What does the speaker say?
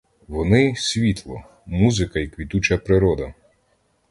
Вони — світло, музика й квітуча природа.